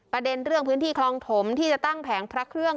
ประเด็นเรื่องพื้นที่คลองถมที่จะตั้งแผงพระเครื่อง